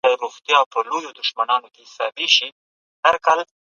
په خپل رنګ یې